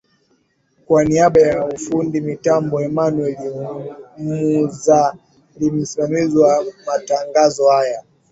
kwa niaba ya fundi mitambo enamuel muzari msimamizi wa matangazo haya